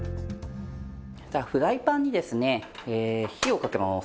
フライパンにですね火をかけます。